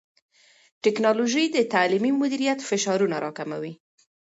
ټیکنالوژي د تعلیمي مدیریت فشارونه راکموي.